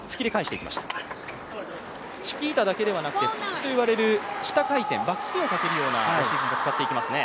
チキータだけではなくてツッツキと言われる、下回転バックスピンをかけるようなもの使ってきますよね。